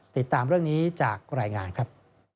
ติดตามเรื่องนี้จากรายงานครับ